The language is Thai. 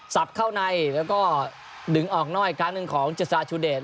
สับเข้าในแล้วก็ดึงออกน้อยกลางหนึ่งของเจษฎาชุดเดชน์